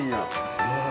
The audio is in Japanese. すごい。